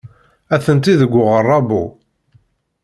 Atenti deg uɣerrabu.